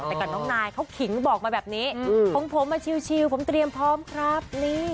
แต่กับน้องนายเขาขิงบอกมาแบบนี้ของผมมาชิลผมเตรียมพร้อมครับ